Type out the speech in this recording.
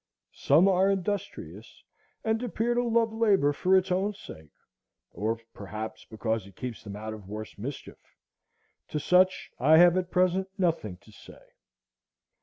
Some are "industrious," and appear to love labor for its own sake, or perhaps because it keeps them out of worse mischief; to such I have at present nothing to say.